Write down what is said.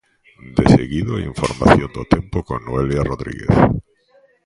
Deseguido, a información do tempo con Noelia Rodríguez.